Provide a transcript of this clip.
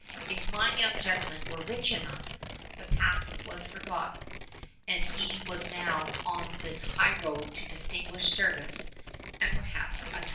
If my young gentleman were rich enough, the past was forgotten, and he was now on the highroad to distinguished service and perhaps a title.